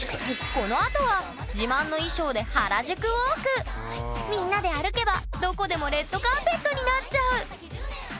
このあとは自慢の衣装でみんなで歩けばどこでもレッドカーペットになっちゃう！